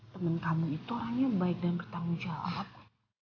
temen kamu itu orangnya baik dan bertanggung jawab